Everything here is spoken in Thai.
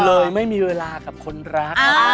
เลยไม่มีเวลากับคนรัก